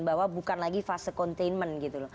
bahwa bukan lagi fase containment